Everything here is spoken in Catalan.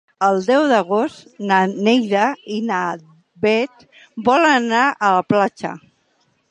El deu d'agost na Neida i na Bet volen anar a la platja.